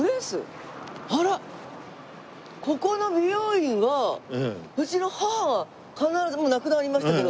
ここの美容院はうちの母必ずもう亡くなりましたけど。